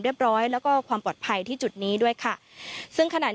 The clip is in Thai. ร้อยแล้วก็ความปลอดภัยที่จุดนี้ด้วยค่ะซึ่งขนาด